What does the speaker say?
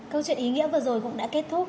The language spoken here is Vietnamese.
câu chuyện ý nghĩa vừa rồi cũng đã kết thúc